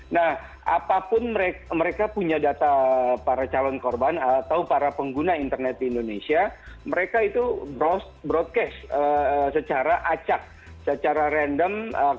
nah apapun mereka punya data para calon korban atau para pengguna internet di indonesia mereka itu broadcast secara acak secara random